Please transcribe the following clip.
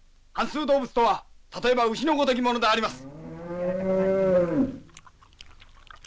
動物とは例えば牛のごときものであります。